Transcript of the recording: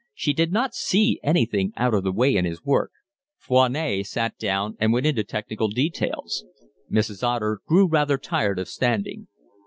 She did not see anything out of the way in his work. Foinet sat down and went into technical details. Mrs. Otter grew rather tired of standing.